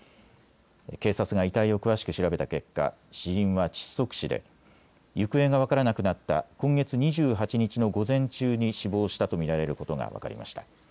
警察が遺体を詳しく調べた結果、死因は窒息死で行方が分からなくなった今月２８日の午前中に死亡したと見られることが分かりました。